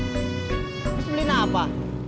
terus beliin apa